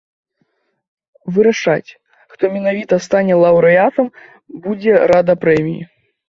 Вырашаць, хто менавіта стане лаўрэатам, будзе рада прэміі.